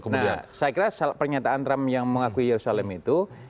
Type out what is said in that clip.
nah saya kira pernyataan trump yang mengakui yerusalem itu